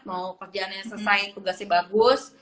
mau kerjaannya selesai tugasnya bagus